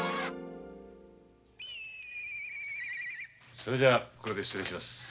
それじゃあこれで失礼します。